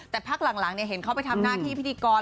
แต่พักหลังเห็นเขาไปทำหน้าที่พิธีกร